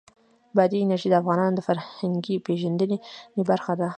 بادي انرژي د افغانانو د فرهنګي پیژندنې برخه ده.